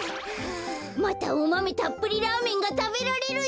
またおマメたっぷりラーメンがたべられるよ。